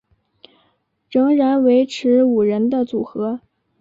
仍然维持五人的组合。